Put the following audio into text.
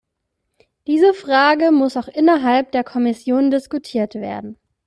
Diese Frage muss auch innerhalb der Kommission diskutiert werden.